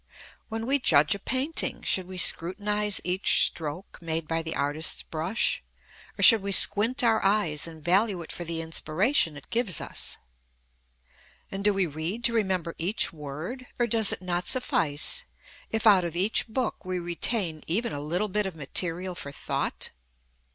When we judge a painting should we scrutinize each stroke made by the artist's brush or should we squint our eyes and value it for the inspiration it gives us? And do we read to remember each word or does it not suffice if out of each book we retain even a little bit of material for thought?